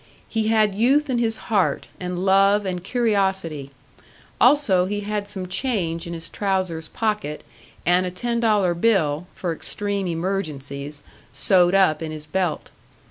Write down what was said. He had youth in his heart, and love and curiosity; also he had some change in his trousers' pocket, and a ten dollar bill, for extreme emergencies, sewed up in his belt.